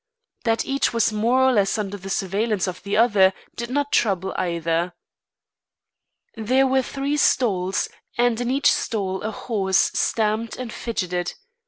That each was more or less under the surveillance of the other did not trouble either. There were three stalls, and in each stall a horse stamped and fidgeted.